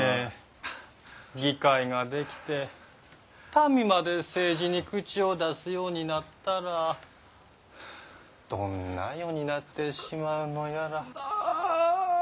議会が出来て民まで政治に口を出すようになったらどんな世になってしまうのやら。